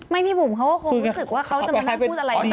ไม่พี่บุ๋มเขาคงรู้สึกว่าเขาจะมานั่งพูดอะไร